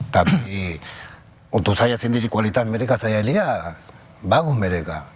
tapi untuk saya sendiri kualitas mereka saya ini ya bagus mereka